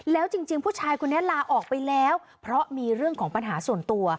แล้วจริงผู้ชายคนนี้ลาออกไปแล้วเพราะมีเรื่องของปัญหาส่วนตัว